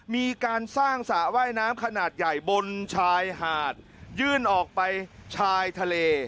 มีการสร้างสระว่ายน้ำขนาดใหญ่บนชายหาดยื่นออกไปชายทะเล